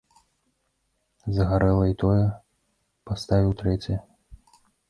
Згарэла і тое, паставіў трэцяе.